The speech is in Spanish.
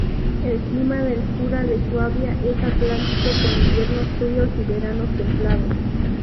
El clima del Jura de Suabia es atlántico con inviernos fríos y veranos templados.